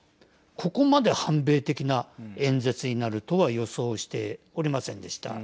ここまで反米的な演説になるとは予想しておりませんでした。